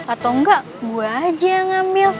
atau enggak gue aja yang ngambil